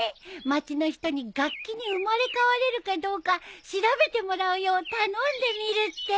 町の人に楽器に生まれ変われるかどうか調べてもらうよう頼んでみるって。